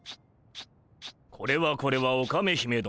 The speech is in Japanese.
これはこれはオカメ姫殿。